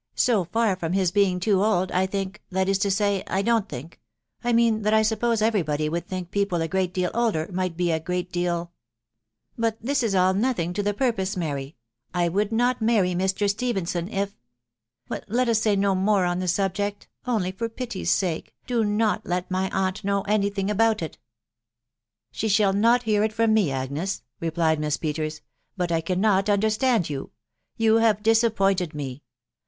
" So far from his being too old, I think .••. that is to say, I don't mink .... I mean that I suppose every body would think people a great deal elder, might be a great deal .... But this Is att nothing to the purpose, Mary. •»• I would net marry Mr. Stephenson if ..♦• But let us say no mere en the subject ..•. only, for pity's sake, do not let Bay aunt know any thing about it !"" She shall not hear it from me, Agnes," replied Miss Pe ters. ... €S But I cannot umdmtand you — you have dis appointed me.